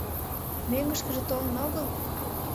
Мӧҥгышкыжӧ толын огыл?